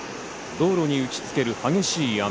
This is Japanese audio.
道路に打ち付ける激しい雨。